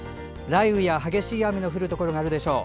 雷雨や激しい雨の降るところがあるでしょう。